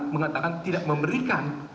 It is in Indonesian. mengatakan tidak memberikan